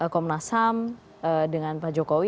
komnas ham dengan pak jokowi